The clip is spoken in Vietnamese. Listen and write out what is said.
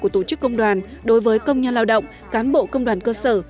của tổ chức công đoàn đối với công nhân lao động cán bộ công đoàn cơ sở